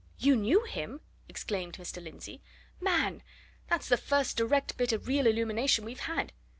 "You knew him!" exclaimed Mr. Lindsey. "Man! that's the first direct bit of real illumination we've had!